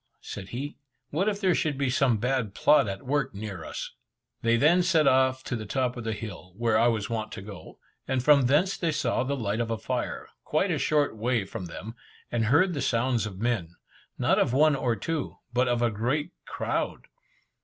said he "What if there should be some bad plot at work near us!" They then set off to the top of the hill, where I was wont to go, and from thence they saw the light of a fire, quite a short way from them, and heard the sounds of men, not of one or two, but of a great crowd.